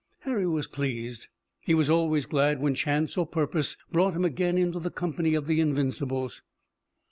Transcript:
Harry was pleased. He was always glad when chance or purpose brought him again into the company of the Invincibles.